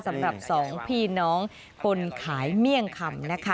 สำหรับสองพี่น้องคนขายเมี่ยงคำนะคะ